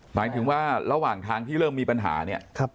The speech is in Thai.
หมายถึงว่าระหว่างทางที่เริ่มมีปัญหาเนี่ย